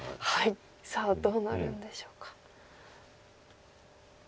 さあどうなるんでしょうか。